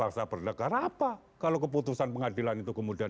oleh negara sendiri gitu loh